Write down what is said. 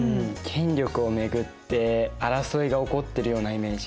権力を巡って争いが起こってるようなイメージ。